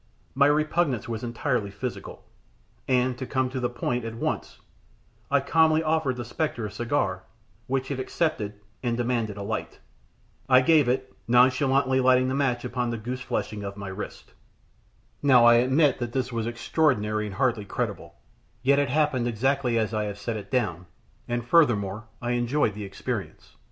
My repugnance was entirely physical, and, to come to the point at once, I calmly offered the spectre a cigar, which it accepted, and demanded a light. I gave it, nonchalantly lighting the match upon the goose fleshing of my wrist. [Illustration: I TURNED ABOUT, AND THERE, FEARFUL TO SEE, SAT THIS THING GRINNING AT ME.] Now I admit that this was extraordinary and hardly credible, yet it happened exactly as I have set it down, and, furthermore, I enjoyed the experience.